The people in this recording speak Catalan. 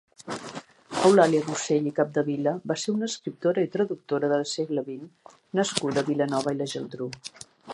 Eulàlia Rosell i Capdevila va ser una escriptora i traductora del segle vint nascuda a Vilanova i la Geltrú.